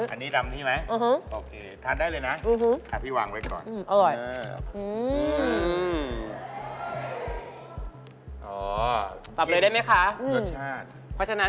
อันนี้ดำนี้ไหมโอเคทานได้เลยนะพี่วางไว้ก่อน